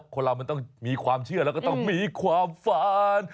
คนเรามันต้องมีความเชื่อแล้วก็ต้องมีความฝัน